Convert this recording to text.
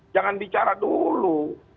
jangan bicara dulu